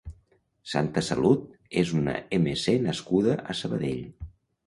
Santa Salut és una mC nascuda a Sabadell.